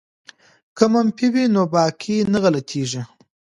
که منفي وي نو باقی نه غلطیږي.